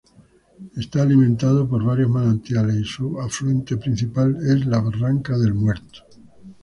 Está alimentado por varios manantiales y su afluente principal es la Barranca del Muerto.